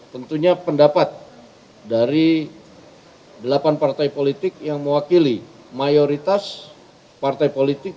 tentunya pendapat dari delapan partai politik yang mewakili mayoritas partai politik